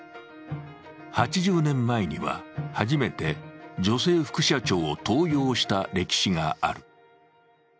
８０年前には初めて女性副社長を登用した歴史がある。